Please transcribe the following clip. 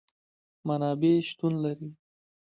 منابع شتون لري